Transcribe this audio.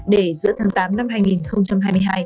để giữa tháng tám năm hai nghìn hai mươi hai